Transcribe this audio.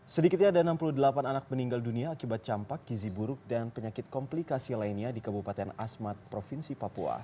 sedikitnya ada enam puluh delapan anak meninggal dunia akibat campak gizi buruk dan penyakit komplikasi lainnya di kabupaten asmat provinsi papua